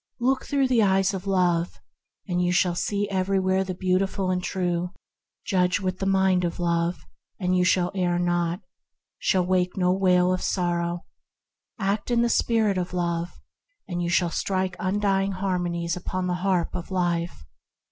Look through the eyes of Love, and you shall see everywhere the Beautiful and the True; judge with the mind of Love, and you shall err not, shall wake no wail of sorrow; act in the spirit of Love, and you shall strike eternal harmonies upon the Harp of Life.